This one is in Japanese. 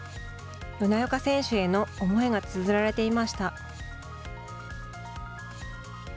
米岡選手への思いがつづられていました。